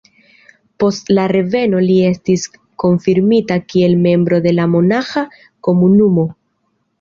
Post la reveno li estis konfirmita kiel membro de la monaĥa komunumo.